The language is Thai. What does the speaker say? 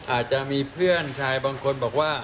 อาจจะมีเพื่อนชายบางคนบอกว่า